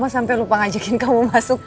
mama sampe lupa ngajakin kamu masuk